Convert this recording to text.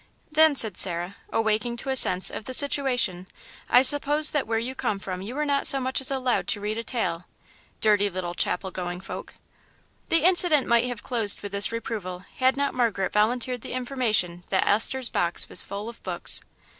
"Then," said Sarah, awaking to a sense of the situation, "I suppose that where you come from you were not so much as allowed to read a tale; ... dirty little chapel going folk!" The incident might have closed with this reproval had not Margaret volunteered the information that Esther's box was full of books.